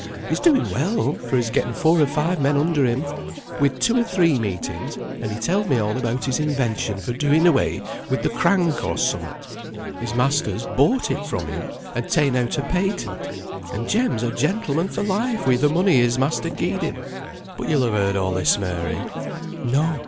He's doing well, for he's getten four or five men under him; we'd two or three meetings, and he telled me all about his invention for doing away wi' the crank, or somewhat. His master's bought it from him, and ta'en out a patent, and Jem's a gentleman for life wi' the money his master gied him. But you'll ha' heard all this, Mary?" No!